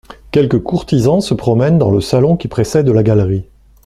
Quelques courtisans se promènent dans le salon qui précède la galerie.